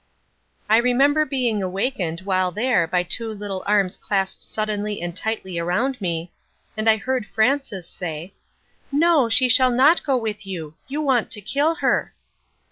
I remember being awakened while there by two little arms clasped suddenly and tightly about me, and I heard Frances say, "No, she shall not go with you. You want to kill her!"